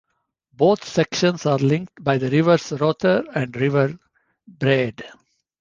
Both sections are linked by the Rivers Rother and River Brede.